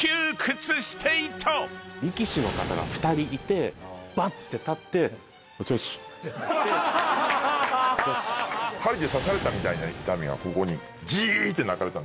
力士の方が２人いてばって立って「お疲れっす」針刺されたみたいな痛みがここに。ジーッ！って鳴かれた。